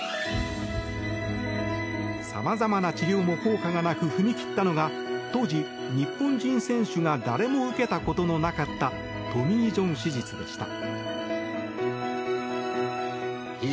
様々な治療も効果がなく踏み切ったのが当時、日本人選手が誰も受けたことのなかったトミー・ジョン手術でした。